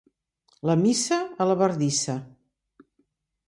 La missa a la bardissa.